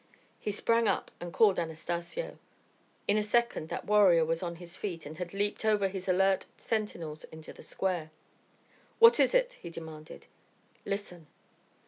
He sprang up and called Anastacio. In a second that warrior was on his feet and had leaped over his alert sentinels into the square. "What is it?" he demanded. "Listen."